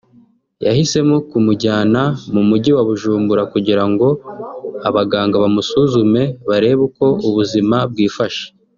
yahisemo kumujyana mu mujyi wa Bujumbura kugira ngo abaganga bamusuzume barebe uko ubuzima bwifashe